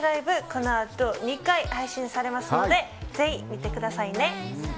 このあと２回配信されますのでぜひ見てくださいね。